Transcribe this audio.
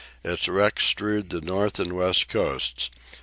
Its wrecks strewed the north and west coasts.